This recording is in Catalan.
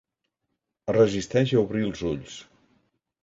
Es resisteix a obrir els ulls.